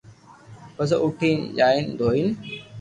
پسو اوٺين جيلين دوھين